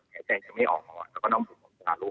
แข็งแกไม่ออกกว่าน่ะก็ต้องหลวงคุณสหารุ